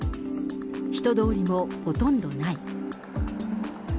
人通りもほとんどない。